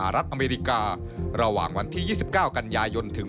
อ่าไม่มีอันที่หนึ่ง